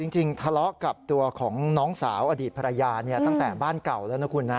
จริงทะเลาะกับตัวของน้องสาวอดีตภรรยาตั้งแต่บ้านเก่าแล้วนะคุณนะ